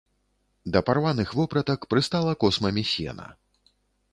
Да парваных вопратак прыстала космамі сена.